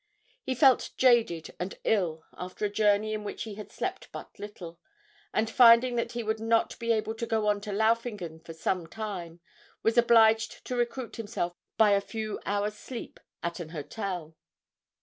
He felt jaded and ill after a journey in which he had slept but little, and, finding that he would not be able to go on to Laufingen for some time, was obliged to recruit himself by a few hours' sleep at an hotel.